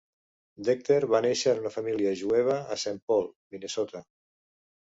Decter va néixer en una família jueva a Saint Paul, Minnesota.